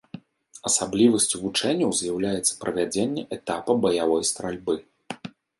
Асаблівасцю вучэнняў з'яўляецца правядзення этапа баявой стральбы.